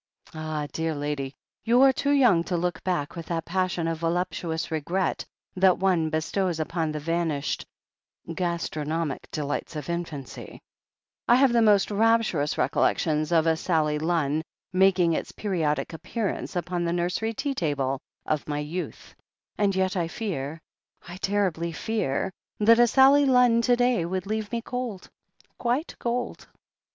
Ah, dear lady, you are too young to look back with that passion of voluptuous regret that one bestows upon the van ished gastronomic delights of infancy t I have the most rapturous recollections of a Sally Lunn making its periodic appearance upon the nursery tea table of my youth — ^and yet I fear — I terribly fear — ^that a Sally Lunn to day would leave me cold— quite cold."